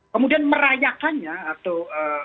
kemudian merayakannya atau